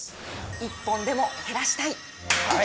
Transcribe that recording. １本でも減らしたい。